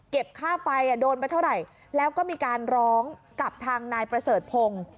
ค่าไฟโดนไปเท่าไหร่แล้วก็มีการร้องกับทางนายประเสริฐพงศ์